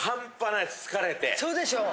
そうでしょう？